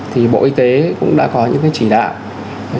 thì bộ y tế cũng đã có những chỉ đạo